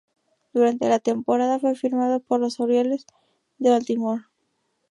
Durante la temporada, fue firmado por los Orioles de Baltimore.